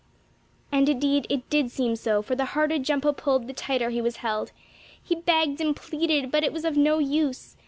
And indeed it did seem so, for the harder Jumpo pulled the tighter he was held. He begged and pleaded, but it was of no use.